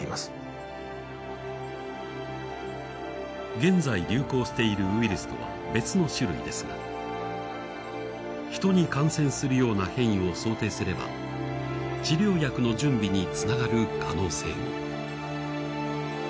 現在流行しているウイルスとは別の種類ですが、ヒトに感染するような変異を想定すれば治療薬の準備につながる可能性も。